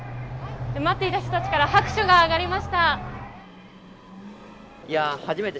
待っている人たちから拍手が上がりました。